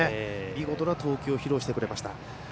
見事な投球を披露してくれました。